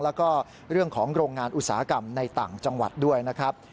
แล้วก็เรื่องของโรงงานอุตสาหกรรมในต่างจังหวัดด้วยนะครับ